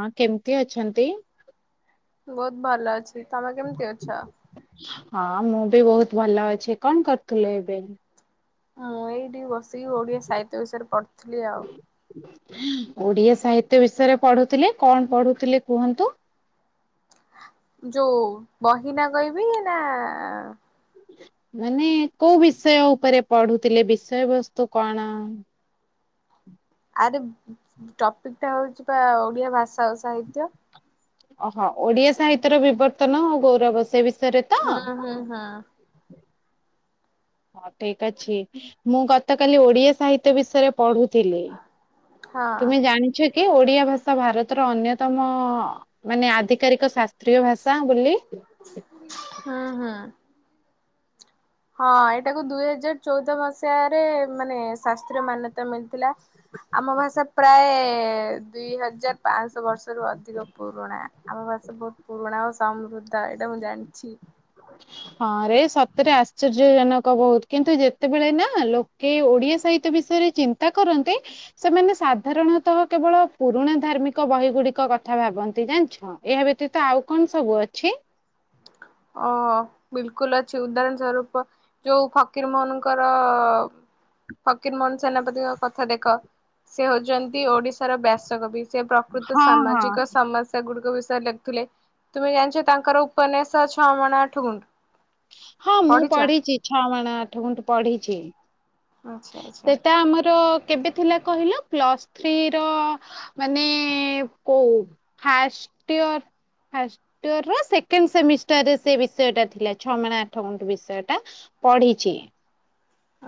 ହଁ କେମତି ଅଛନ୍ତି? ବହୁତ ଭଲ ଅଛି, ତମେ କେମିତି ଅଛ? ହଁ ମୁଁ ବି ବହୁତ ଭଲ ଅଛି, କଣ କରୁଥିଲେ ଏବେ? ମୁଁ ଏଇଠି ବସିକି ଓଡିଆ ସାହିତ୍ୟ ବିଷୟରେ ପଢୁଥିଲି ଆଉ। ଓଡିଆ ସାହିତ୍ୟ ବିଷୟରେ ପଢୁଥିଲେ, କଣ ପଢୁଥିଲେ କୁହନ୍ତୁ? ଯୋଉ ବହିନା କହିବି ନା ମାନେ କୋଉ ବିଷୟ ଉପରେ ପଢୁଥିଲେ ବିଷୟ ବସ୍ତୁ କଣ? ଆରେ ଟପିକ ଟା ହଉଛି ପା ଓଡିଆ ଭାଷା ଓ ସାହିତ୍ୟ। ଓହୋ ଓଡିଆ ସାହିତ୍ୟର ବିବର୍ତ୍ତନ ଆଉ ଗୌରବ ସେ ବିଷୟରେ ତ? ହଁ ହଁ ହଁ। ହଁ ଠିକ୍ଅଛି, ମୁଁ ଗତକାଲି ଓଡିଆ ସାହିତ୍ୟ ବିଷୟରେ ପଢୁଥିଲି, ହଁ। ତୁମେ ଜାଣିଛ କି ଓଡ଼ିଆ ଭାଷା ଭାରତର ଅନ୍ୟତମ ମାନେ ଆଧିକାରିକ ଶାସ୍ତ୍ରୀୟ ଭାଷା ବୋଲି। ହଁ ହଁ। ହଁ ଏଇଟାକୁ ଦୁଇ ହଜାର ଚଉଦ ମସିହାରେ ମାନେ ଶାସ୍ତ୍ରୀ ମାନ୍ୟତା ମିଳିଥିଲା। ଆମ ଭାଷା ପ୍ରାୟ ଦୁଇ ହଜାର ପାଆଁଶ ବର୍ଷରୁ ଅଧିକ ପୁରୁଣା ଆମ ଭାଷା ବହୁତ ପୁରୁଣା ଓ ସମୃଦ୍ଧ ଏଇଟା ମୁଁ ଜାଣଚି। [unintelligible] ହଁ ରେ ସତରେ ଆଶ୍ଚର୍ଯ୍ୟ ଜନକ ବହୁତ କିନ୍ତୁ ଯେତେବେଳେ ନା ଲୋକେ ଓଡିଆ ସାହିତ୍ୟ ବିଷୟରେ ଚିନ୍ତା କରନ୍ତେ। ସେମାନେ ସାଧାରଣତଃ କେବଳ ପୁରୁଣା ଧାର୍ମିକ ବହି ଗୁଡିକ କଥା ଭାବନ୍ତି ଜାଣିଛ। ହଁ ଏହା ବ୍ୟତୀତ ଆଉ କଣ ସବୁ ଅଛି। ଓ ବିଲକୁଲ ଅଛି ଉଦାହରଣ ସ୍ଵରୁପ ଯୋଉ ଫକୀର ମୋହନଙ୍କର ଫକୀର ମୋହନ ସେନାପତିଙ୍କ କଥା ଦେଖ ସେ ହଉଛନ୍ତି ଓଡିଶାର ବ୍ୟାସ କବି। ସେ ପ୍ରକୃତ ହଁ ହଁ। ସାମାଜିକ ସମସ୍ୟା ଗୁଡିକ ବିଷୟରେ ଲେଖୁଥିଲେ। ତୁମେ ଜାଣିଛ ତାଙ୍କର ଉପନ୍ୟାସ ଛଅ ମଣା ଆଠ ଗୁଣ୍ଡୁ ହଁ ମୁଁ ପଢିଛି ଛଅ ମାଣ ଆଠ ଗୁଣ୍ଡୁ ପଢିଛି। ଆଚ୍ଛା ଆଚ୍ଛା ସେଟା ଆମର କେବେ ଥିଲା କହିଲ ପ୍ଲସ୍ ଥ୍ରୀ ର ମାନେ କୋଉ ଫାଷ୍ଟ ଇୟର ଫାଷ୍ଟ ଇୟରର ସେକେଣ୍ଡ ସେମିଷ୍ଟରରେ ସେ ବିଷୟଟା ଥିଲା ଛଅ ମାନ ଆଠ ଗୁଣ୍ଡୁ ବିଷୟଟା ପଢ଼ିଛି।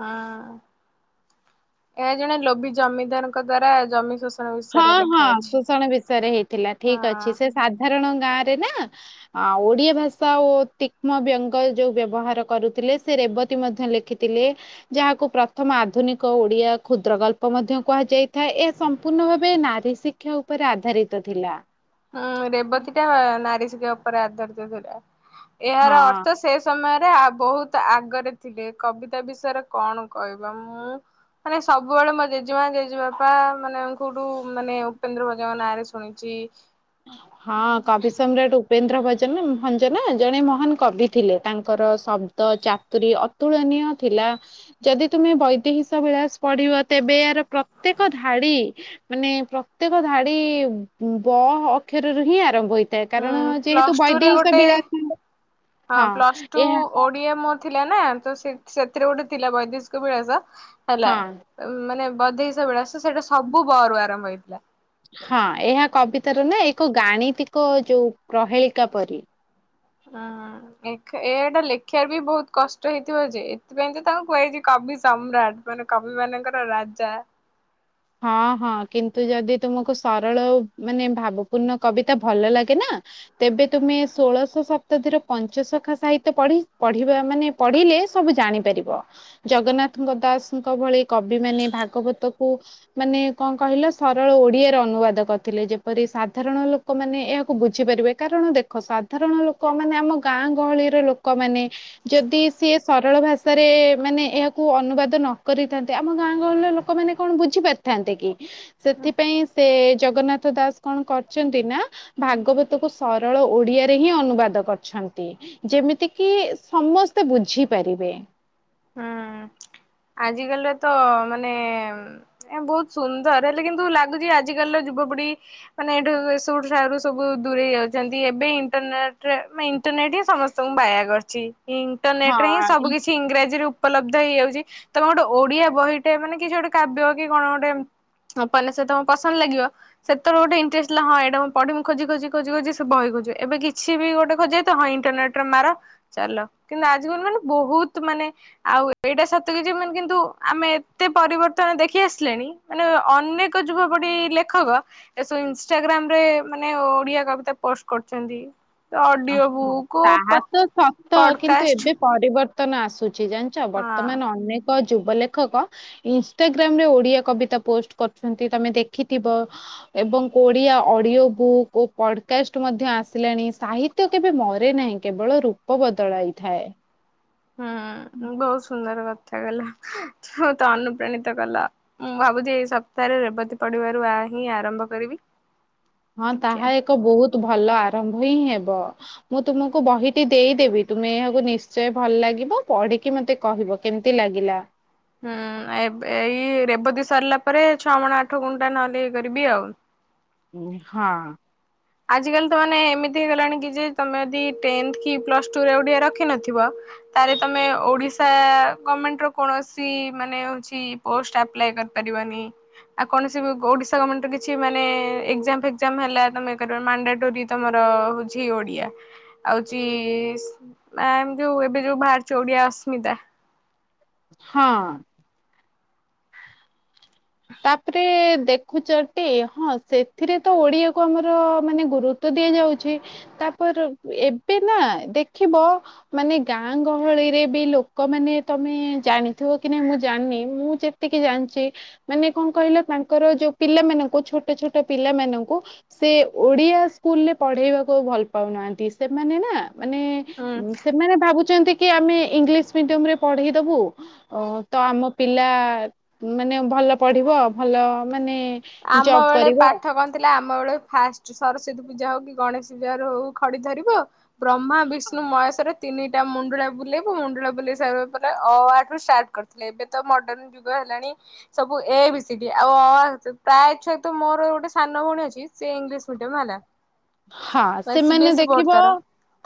ହଁ ଏହା ଜଣେ ଲୋଭିି ଜମିଦାରଙ୍କ ଦ୍ଵାରା ଜମି ଶୋ ହଁ ହଁ ଶୋଷଣ ବିଷୟରେ ହେଇଥିଲା ଠିକ ହଁ। ଅଛି ସେ ସାଧାରଣ ଗାଁ ରେ ନା ଆଉ ଓଡିଆ ଭାଷା ଓ ତୀକ୍ଷ୍ମ ବ୍ୟଙ୍ଗ ଯୋଉ ବ୍ୟବହାର କରୁଥିଲେ ସେ ରେବତୀ ମଧ୍ୟ ଲେଖି ଥିଲେ ଯାହାକୁ ପ୍ରଥମ ଆଧୁନିକ ଓଡିଆ କ୍ଷୁଦ୍ର ଗଳ୍ପ ମଧ୍ୟ କୁହାଯାଇଥାଏ। ଏହା ସ ସମ୍ପୂର୍ଣ୍ଣ ଭାବେ ନାରୀ ଶିକ୍ଷା ଉପରେ ଆଧାରିତ ଥିଲା। ହଁ ରେବତୀ ଟା ନାରୀଶିକ୍ଷା ଉପରେ ଆଧାରିତ ଥିଲା। ଏହାର ହଁ। ଅର୍ଥ ସେ ସମୟରେ ଆ ବହୁତ ଆଗରେ ଥିଲେ କବିତା ବିଷୟରେ କଣ କହିବା ମୁଁ ମାନେ ସବୁବେଳେ ମୋ ଜେଜେମା ଜେଜେବାପା ମାନେ କୋଉଠୁ ମାନେ ଉପେନ୍ଦ୍ର ଭଞ୍ଜଙ୍କ ନାଁରେ ଶୁଣିି ଚି ହଁ କବି ସମ୍ରାଟ ଉ ଉପେନ୍ଦ୍ର ଭଞ୍ଜନା ଭଞ୍ଜନା ଜଣେ ମହାନ କବି ଥିଲେ ତାଙ୍କର ଶବ୍ଦ ଚାତୁରୀ ତୁଳନୀୟ ଥିଲା। ଯଦି ତୁମେ ବୈଦହଶ ବିଳାସ ପଢିବ ତେବେ ଏହାର ପ୍ରତ୍ୟେକ ଧାଡି ମାନେ ପ୍ରତ୍ୟେକ ଧାଡି ବ ଅକ୍ଷରରୁ ହିଁ ଆରମ୍ଭ ହୋଇ ଉଁ କାରଣ ଯେହେତୁ ପ୍ଲସ ଟୁ ରେ ବୈଦ ଗୋଟେ ବିଳାସ ହଁ ଏହା କିଏ ମୋର ଥିଲା ନା ତ ସେ ସେଥିରେ ଗୋଟେ ଥିଲା ବୈଦେଶିକ ବିଳାସ ହେଲା। ହଁ ମାନେ ବୈଦେଶ୍ୟ ବିଳାସ ସେଇଟା ସବୁ ବ ରୁ ଆରମ୍ଭ ହେଇଥିଲା। ହଁ ଏହା କବିତାରୁ ନା ଏକ ଗାଣିତିକ ଯୋଉ ପ୍ରହେଳିକା ପରି ହଁ ଏ ଏଟା ଲେଖିବା ବି ବହୁତ କଷ୍ଟ ହେଇଥିବ ଯେ ଏଥିପାଇଁ ତ ତାଙ୍କୁ କୁହାଯାଇଛି କବି ସମ୍ରାଟ। ମାନେ କବିମାନଙ୍କର ରାଜା। ହଁ ହଁ କିନ୍ତୁ ଯଦି ତୁମକୁ ସରଳ ମାନେ ଭାବପୂର୍ଣ୍ଣ କବିତା ଭଲ ଲାଗେ ନା ତେବେ ତୁମେ ଷୋଳଶ ଶତାବ୍ଦୀର ପଞ୍ଚ ଶଖା ସାହିତ୍ୟ ପଢି ପଢିବା ମାନେ ପଢିଲେ ସବୁ ଜାଣିପାରିବ। ଜଗନ୍ନାଥଙ୍କ ଦାସଙ୍କ ଭଳି କବିମାନେ ଭାଗବତକୁ ମାନେ କଣ କହିଲ ସରଳ ଓଡିଆରେ ଅନୁବାଦ କରିଥିଲେ ଯେପରି ସାଧାରଣ ଲୋକମାନେ ଏହାକୁ ବୁଝିପାରିବେ। କାରଣ ଦେଖ ସାଧାରଣ ଲୋକମାନେ ଆମ ଗାଁ ଗହଳିର ଲୋକମାନେ ଯଦି ସିଏ ସରଳ ଭାଷାରେ ମାନେ ଏହାକୁ ଅନୁବାଦ ନ କରିଥାନ୍ତେ। ଆମ ଗାଁ ଗହଳିରେ ଲୋକ ଲୋକମାନେ କଣ ବୁଝିପାରିଥାନ୍ତେ କି? ସେଥିପାଇଁ ସେ ଜଗନ୍ନାଥ ଦାସ କଣ କରିଛନ୍ତି ନା ଭାଗବତକୁ ସରଳ ଓଡିଆରେ ହିଁ ଅନୁବାଦ କରିଛନ୍ତି। ଯେମିତି କିି ସମସ୍ତେ ବୁଝିପାରିବେ। ହୁଁ ଆଜିକାଲିରେ ତ ମାନେ ଏ ବହୁତ ସୁନ୍ଦର ହେଲେ କିନ୍ତୁ ଲାଗୁଛି ଆଜିିକାଲିର ଯୁବପିଢି ମାନେ ଏଠୁ ସବଠୁ ଠାରୁୁ ସବୁ ଦୂରେଇ ଯାଉଛନ୍ତି ଏବେ ଇଣ୍ଟରନେଟ ମାଇଁ ଇଣ୍ଟରନେଟ୍ ହିଁ ସମସ୍ତେ ତମକୁ ବାୟା କରିଛି ଇଣ୍ଟରନେଟ ରେ ହିଁ ହଁ ସବୁ କିଛି ଇଂରାଜି ତିରେ ଉପଲବ୍ଧ ହେଇଯାଉଛି ତମେ ଗୋଟେ ଓଡିଆ ବହିଟେ ମାନେ କିଛି ଗୋଟେ କାବ୍ୟ କି କଣ ଗୋଟେ ଆପନେ ସେ ତମ ପସନ୍ଦ ଲାଗିବ। ସେତବେଳେ ଗୋଟେ ଇଣ୍ଟରେଷ୍ଟ ଥିଲା ହଁ ଏଇଟା ମୁଁ ପଢିବି ଖୋଜି ଖୋଜି ଖୋଜି ଖୋଜି ବହି ଖୋଜେ ଏବେ କିଛି ବି ଗୋଟେ ଖୋଜେ ତ ହଁ ଇଣ୍ଟରନେଟ ତର ମାର ଚାଲ କିନ୍ତୁ ଆଜି କାଲି ମାନେ ବହୁତ୍ ମାନେ ଆଉ ଏଇଟା ସତ କିଛି ମାନେ କିନ୍ତୁ ଆମେ ଏତେ ପରିବର୍ତ୍ତନ ଦେଖି ଆସିଲେଣି। ମାନେ ଅନେକ ଯୁବପଢି ଲେଖକ। ଏସବୁ ଇନଷ୍ଟାଗ୍ରାମ ରେ ମାନେ ଓଡିଆ କବିତା ପୋଷ୍ଟ କରଚନ୍ତି। ଓହୋ ତାହା ତ ସତ କିନ୍ତୁ ପଡକାଷ୍ଟ ଏବେ ପରିବର୍ତ୍ତନ ଆସୁଛି ଜାଣିଛ ହଁ। ବର୍ତ୍ତମାନ ଅନେକ ଯୁବ ଲେଖକ ଇନଷ୍ଟାଗ୍ରାମ ରେ ଓଡିଆ କବିତା ପୋଷ୍ଟ କରୁଛନ୍ତି ତମେ ଦେଖିଥିବ। ଏବଂ ଓଡିଆ ଅଡିଓ ବୁକ୍ ଓ ପଡକାଷ୍ଟ ମଧ୍ୟ ଆସିଲେଣି। ସାହିତ୍ୟ କେବେ ମରେ ନାହିଁ କେବଳ ରୂପ ବଦଳାଇଥାଏ। ହୁଁ ବହୁତ ସୁନ୍ଦର କଥା କଲା ହୋଉତ ଅନୁପ୍ରାଣିତ କଲା। ମୁଁ ଭାବୁଛି ଏଇ ସପ୍ତାହରେ ରେବତୀ ପଡିବାରୁ ଆ ହିଁ ଆରମ୍ଭ କରିବି। ହଁ ଦେଖିବା। ତାହା ଏକ ବହୁତ୍ ଭଲ ଆରମ୍ଭ ହିଁ ହେବ। ମୁଁ ତୁମକୁ ବହିଟି ଦେଇଦେବି ତୁମେ ଏହାକୁ ନିଶ୍ଚୟ ଭଲ ଲାଗିବ ପଢିକି ମତେ କହିବ। କେମତି ଲାଗିଲା। ହୁଁ ଏବେ ଏଇ ରେବତୀ ସରିଲା ପରେ ଛଅ ମାଣ ଆଠ ଗୁଣ୍ଠୁ ଟା ନହେଲେ ଇଏ କରିବି ଆଉ। ଉଁ ହଁ। ଆଜିକାଲି ତ ମାନେ ଏମିତି ହେଇଗଲାଣି କି ଯେ ତମେ ଯଦି ଟେନ୍ଥେ କି ପ୍ଲସ ଟୁରେ ଓଡ଼ିଆ ରଖିିନଥିବ। ତାରେ ତମେ ଓଡିଶା ଗମେଣ୍ଟ ର କୌଣସି ମାନେ ହଉଛି ପୋଷ୍ଟ ଆପ୍ଲାଏ କରିପାରିବନି। ଆଉ କୌଣସି ବି ଓଡିଶା ଗମେଣ୍ଟ ର କିଛି ମାନେ ଏକ୍ଜାମ ଫେକ୍ଜାମ ହେଲା ତମେ ମାଣ୍ଡାଟୋରି ତମର ହଉଛି ଓଡିଆ। ଆଉଛି ଆ ମ ଯୋଉ ଏବେ ଯୋଉ ବାହାରୁଛି ଓଡିଆ ଅସ୍ମିତା। ହଁ। ତାପରେ ଦେଖୁଚ ଟି ହଁ ସେଥିରେ ତ ଓଡିଆକୁ ଆମର ମାନେ ଗୁରୁ ତ ଦିଆଯାଉଅଛି ତାପରେ ଏବେ ନା ଦେଖିବ। ମାନେ ଗାଁ ଗହଳିରେ ବି ଲୋକମାନେ ତମେ ଜାଣିଥିବ କି ନା ମୁଁ ଜାଣିନି ମୁଁ ଯେ ଏତିକି ଜାଣିଛି ମାନେ କଣ କହିଲ ତାଙ୍କର ଯୋଉ ପିଲାମାନଙ୍କୁ ଛୋଟ ଛୋଟ ପିଲାମାନଙ୍କୁ ସେ ଓଡ଼ିଆ ସ୍କୁଲରେ ପଢ଼େଇବାକୁ ଭଲ ପାଉନାହାନ୍ତି ସେମାନେ ନା ମାନେ ହୁଁ ସେମାନେ ଭାବୁଛନ୍ତି କି ଆମେ ଇଂଲିଶ ମିଡିୟମ ରେ ପଢେଇଦବୁ। ଓ ତ ଆମ ପିଲା ମାନେ ଭଲ ପଢିବ ଭଲ ମାନେ ଆମ ଜବ୍ ବେଳେ କରିବ ପାଠ କନ୍ ଥିଲା ଆମ ବେଳେ ଫାଷ୍ଟ ସରସ୍ଵତୀ ପୂଜା ହଉ କି ଗଣେଶ ପୂଜା ହଉ ଖଡି ଧରିବ। ବ୍ରହ୍ମା ବିଷ୍ଣୁ ମୟେଶର। ତିନିଟା ମୁଣ୍ଡଳା ବୁଲେଇବୁ ମୁଣ୍ଡୁଳା ବୁଲେଇ ସାରିବା ପରେ ଅ ଆ ଠୁ ଷ୍ଟାର୍ଟ କରିଥିଲେ ଏବେ ତ ମଡ଼ର୍ଣ୍ ଯୁଗ ହେଲାଣି ସବୁ ଏ ବି ସି ଡି ଆଉ ଅ ଆ ପ୍ରାୟତ ମୋର ଗୋଟେ ସାନ ଭଉଣୀ ଅଛି ସେ ଇଂଲିଶ ମିଡିୟମ ହେଲା। ହଁ ଠ ଏ ସି ସେମାନେ ବିିଏସି ଦେଖିବ ବୋଡତାର।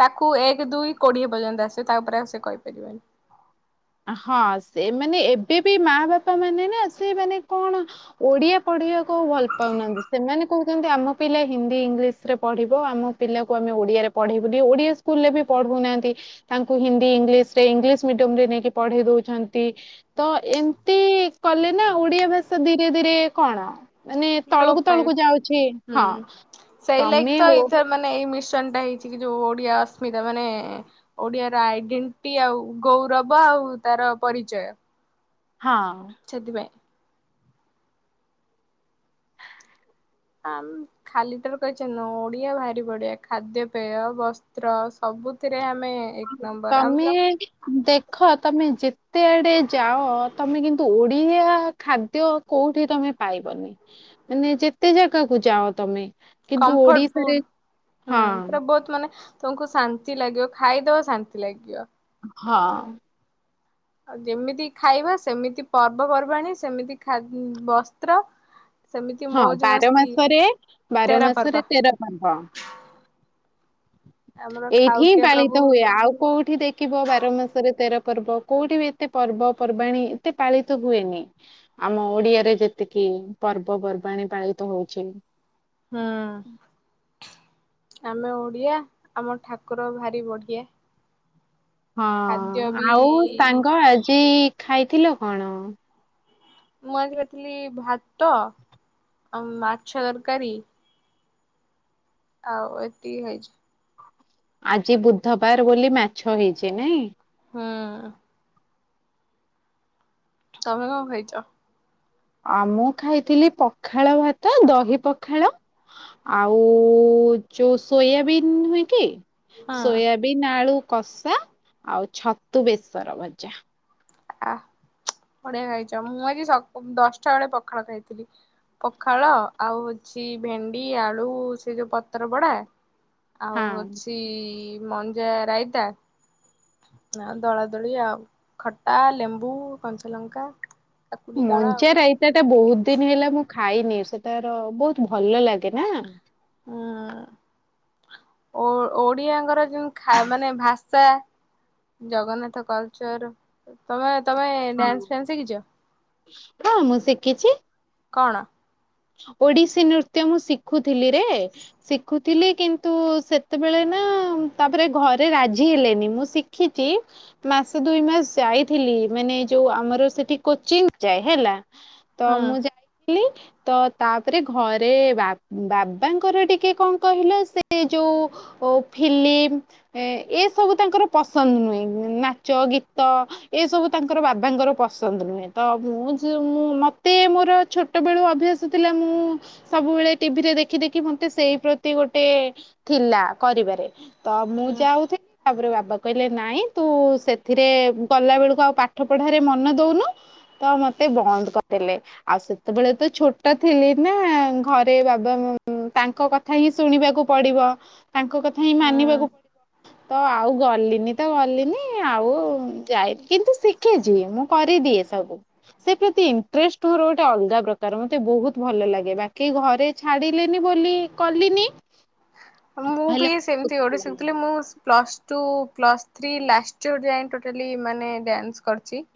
ତାକୁ ଏକ ଦୁଇ କୋଡ଼ିଏ ପର୍ଯ୍ୟନ୍ତ ଆସିବ, ତାପରେ ଆଉ ସେ କହିପାରିବନି। ହଁ, ସେମାନେ ଏବେବି ମା ବାପା ମାନେ ନା, ସେ ମାନେ କଣ ଓଡ଼ିଆ ପଢ଼ିବାକୁ ଆଉ ଭଲ ପାଉନାହାନ୍ତି, ସେମାନେ କହୁଛନ୍ତି, ଆମ ପିଲା ହିନ୍ଦୀ ଇଂଲିଶ୍‌ରେ ପଢ଼ିବ, ଆମ ପିଲାକୁ ଆମେ ଓଡ଼ିଆରେ ପଢ଼େଇବୁନି, ଓଡ଼ିଆ ସ୍କୁଲ୍‌ଲେ ବି ପଢ଼ଉନାଆନ୍ତି। ତାଙ୍କୁ ହିନ୍ଦୀ ଇଂଲିଶ୍‌ରେ, ଇଂଲିଶ୍‌ ମିଡିୟମ୍‌ରେ ନେଇକି ପଢ଼େଇ ଦଉଛନ୍ତି। ତ ଏମିତି କଲେ ନା, ଓଡ଼ିଆ ଭାଷା ଧିରେ ଧିରେ କଣ ମାନେ ଲୋପ ତଳୁକୁ ପାଇବ। ତଳୁକୁ ଯାଉଛି, ହଁ, ହୁଁ। ସେଇ ଲାଗି ତମେ ତ ଓ ଏଇଥର ମାନେ ଏଇ ମିଶନଟା ହେଇଛି କି, ଯୋଉ ଓଡ଼ିଆ ଅସ୍ମିତା ମାନେ ଓଡ଼ିଆର ଆଇଡିଣ୍ଟି, ଆଉ ଗୌରବ, ଆଉ ତାର ପରିଚୟ ହଁ ସେଥିପାଇଁ ଆମ୍ ଖାଲି ତବେ କହିଛ, ନ ଓଡ଼ିଆ ଭାରି ବଢ଼ିଆ, ଖାଦ୍ୟପେୟ, ବସ୍ତ୍ର ସବୁଥିରେ ଆମେ ଏକ ନମ୍ବର ତମେ ଆମର ଦେଖ, ତମେ ଯେତେ ଆଡ଼େ ଯାଅ, ତମେ କିନ୍ତୁ ଓଡ଼ିଆ ଖାଦ୍ୟ କୋଉଠି ତମେ ପାଇବନି, ମାନେ ଯେତେ ଜାଗାକୁ ଯାଅ ତମେ। କିନ୍ତୁ କମ୍ଫଟ୍ ଓଡିଶାରେ ଫୁଡ୍, ହଁ, ଏଟା ବହୁତ ମାନେ ତମକୁ ଶାନ୍ତି ଲାଗିବ, ଖାଇଦେବ, ଶାନ୍ତି ଲାଗିବ। ହଁ ଆ, ଯେମିତି ଖାଇବା, ସେମିତି ପର୍ବପର୍ବାଣି, ସେମିତି ଖା ବସ୍ତ୍ର ସେମିତି ହଁ ମୋଜ୍ ବାର ମସ୍ତି, ମାସରେ ବାର ତେରା ମାସରେ ପର୍ବ। ତେର ପର୍ବ। ଆମର ଏଇଠି ହିଁ ଖାଉଟିଆ ପ୍ରଭୁ ପାଳିତ ହୁଏ, ଆଉ କୋଉଠି ଦେ କିଵ ବାର ମାସରେ ତେର ପର୍ବ, କୋଉଠି ବି ଏତେ ପର୍ବ ପର୍ବାଣୀ ଏତେ ପାଳିତ ହୁଏନି। ଆମ ଓଡି଼ଆରେ ଯେତିକି ପର୍ବ ପର୍ବାଣି ପାଳିତ ହଉଚି ହଁ, ଆମେ ଓଡ଼ିଆ, ଆମ ଠାକୁର ଭାରି ବଢ଼ିଆ। ହଁ, ଖାଦ୍ୟ ବି ଆଉ ସାଙ୍ଗ, ଆଜି ଖାଇଥିଲ କଣ? ମୁଁ ଆଜି କର୍ଥିଲି ଭାତ ଆଉ ମାଛ ତରକାରୀ ଆଉ ଏତିକି ଖାଇଚି। ଆଜି ବୁଧବାର ବୋଲି ମାଛ ହେଇଛି ନାଇଁ? ହୁଁ ତମେ କଣ ଖାଇଛ? ଆ, ମୁଁ ଖାଇଥିଲି ପଖାଳ ଭାତ, ଦହି ପଖାଳ ଆଉ ଯୋଉ ସୋୟାବିନ୍ ନୁହେଁ କି ହଁ। ସୋୟାବିନ୍ ଆଳୁ କଷା ଆଉ ଛତୁ ବେସର ଭଜା। ଆ, ବଢ଼ିଆ ଖାଇଛ, ମୁଁ ଆଜି ସ ଦଶଟା ବେଳେ ପଖାଳ ଖାଇଥିଲି। ପଖାଳ ଆଉ ହଉଛି ଭେଣ୍ଡି ଆଳୁ, ସେ ଯୋଉ ପତ୍ର ପଡ଼ା ଆଉ ହଁ ହଉଛି ମଞ୍ଜା ରାଇତା ଆ ଦଳାଦଳି ଆଉ, ଖଟା, ଲେମ୍ବୁ, କଞ୍ଚାଲଙ୍କା କାକୁଡି ଦଳା ଆଉ ମଞା ରାଇତାଟା ବହୁତ ଦିନ ହେଲା ମୁଁ ଖାଇନି, ସେ ତାର ବହୁତ ଭଲ ଲାଗେ ନା ହାଁ ଓ ଓଡ଼ିଆଙ୍କର ଯୋଉ ଖା, ମାନେ ଭାଷା ଜଗନ୍ନାଥ କଲ୍ଚର୍, ତମେ ତମେ ହଁ ଡ୍ୟାନ୍ସ୍ ଫ୍ୟାନ୍ସ୍ ଶିଖିଛ? ହଁ, ମୁଁ ଶିଖିଛି। କଣ? ଓଡି଼ଶୀ ନୃତ୍ୟ ମୁଁ ଶିଖୁଥିଲି ରେ। ଶିଖୁଥିଲି କିନ୍ତୁ ସେତେବେଳେନାଁ ତାପରେ ଘରେ ରାଜି ହେଲେନି ମୁଁ ଶିଖ୍ ଖିଚି ମାସେ ଦୁଇ ମାସ୍ ସାଇଥିଲି ମାନେ ଯୋଉ ଆମର ସେଠି କୋଚିନ୍ ଯାଏ ହେଲା। ତ ହୁଁ ମୁଁ ଯାଁଇଥିଲି। ତ ତାପରେ ଘରେ ବା ବାବାଙ୍କର ଟିକେ କଂ କହିଲ ସେ ଯୋଉ ଓ ଫିଲିମ୍ ଏଁ ଏସବୁ ତାଙ୍କର ପସନ୍ଦ ନୁଏଁ ନାଚ ଗୀତ ଏସବୁ ତାଙ୍କର ବାବାଙ୍କର ପସନ୍ଦ୍ ନୁଏଁ ତ ମୁଁ ଯୋଉ ମୁଁ ମତେ ମୋର ଛୋଟବେଳୁ ଅଭ୍ୟାସ୍ ଆସୁଥିଲା ମୁଁ ସବୁବେଳେ ଟିଭିରେ ଦେଖି ଦେଖି ମୋତେ ସେଇ ପ୍ରତି ଗୋଟେ ଥିଲା କରିବାରେ ତମୁଁ ହୁଁ ଯାଉଥି ତାପରେ ବାବା କହିଲେ ନାଇଁ ତୁସେଥିରେ ଗଲା ବେଳକୁ ଆଉ ପାଠ ପଢ଼ାରେ ମନ ଦଉନୁ ତ ମତେ ବନ୍ଦ କରିଦେଲେ ଆଉ ସେତେବେଳେତ ଛୋ ଛୋଟ ଥିଲିନା ଘରେ ବାବା ତାଙ୍କ କଥାହିଁ ଶୁଣିବାକୁ ପଡ଼ିବ। ତାଙ୍କ କଥାହିଁ ମାନିବାକୁ ହୁଁ ପଡ଼ିବ। ତ ଆଉ ଗଲିନିତ ଗଲିନି ଆଉ ଯାଇନି କିନ୍ତୁ ଶିିିଖିଚି ମୁଁ କରିଦିଏ ସବୁ ସେପ୍ରତି ଇଣ୍ଟରେଷ୍ଟ ମୋର ଗୋଟେ ଅଲଗା ପ୍ରକାର ମତେ ବହୁତ୍ ଭଲ ଲାଗେ ବାକି ଘରେ ଛାଡ଼ିଲେନି ବୋଲି କଲିନି ହେଲେ ମୁଁବି ମତେ ବହୁତ ସେମିତି ଗୋଟେ ଭଲ ଲାଗେ। ଶିଖଥିଲି ମୁଁ plus two plus three last year ଯାଏଁ ଟୋଟାଲି ମାନେ ଡ୍ୟାନ୍ସ କରିଚି।